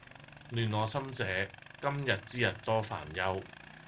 亂我心者，今日之日多煩憂！